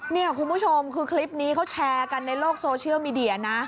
นี่คุณผู้ชมคือคลิปนี้เขาแชร์กันในโลกโซเชียลมีเดียนะ